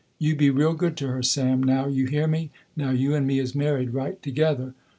You be real good to her Sam, now you hear me, now you and me is married right together.